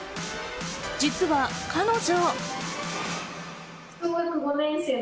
実は彼女。